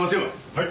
はい。